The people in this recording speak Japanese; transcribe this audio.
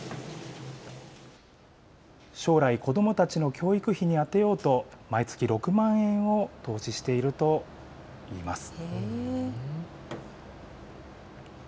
将来、子どもたちの教育費に充てようと、毎月６万円を投資しているといいます。